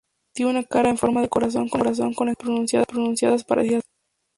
Tiene una cara en forma de corazón con extensiones pronunciadas parecidas a orejas.